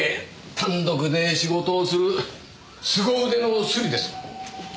単独で仕事をする凄腕のスリです。